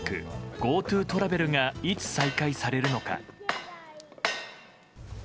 ＧｏＴｏトラベルがいつ再開されるのか。